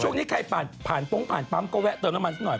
ใช่ผ่านโป๊งผ่านปั๊มก็แวะเติมน้ำมันซักหน่อย